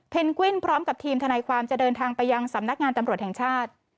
กวินพร้อมกับทีมทนายความจะเดินทางไปยังสำนักงานตำรวจแห่งชาติ